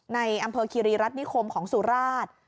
ในอำเภอคีรีรัฐนิคมของสุราช